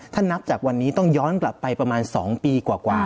ถ้านับจากวันนี้ต้องย้อนกลับไปประมาณ๒ปีกว่า